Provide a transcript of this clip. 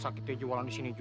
udah dua hari ini